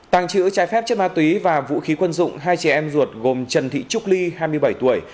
tàng trữ trái phép chất ma túy và vũ khí quân dụng hai trẻ em ruột gồm trần thị trúc ly hai mươi bảy tuổi